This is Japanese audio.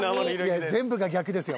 いや全部が逆ですよ